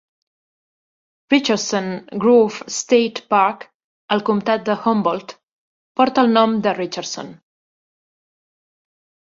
Richardson Grove State Park, al comtat de Humboldt, porta el nom de Richardson.